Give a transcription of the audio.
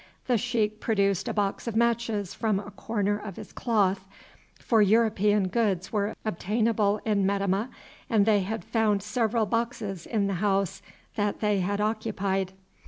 The sheik produced a box of matches from a corner of his cloth, for European goods were obtainable in Metemmeh, and they had found several boxes in the house that they had occupied.